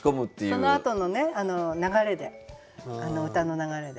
そのあとのね歌の流れで。